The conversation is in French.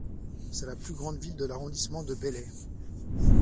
C'est la plus grande ville de l'arrondissement de Belley.